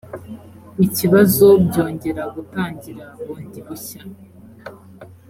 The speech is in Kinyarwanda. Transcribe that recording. ikibazo byongera gutangira bundi bushya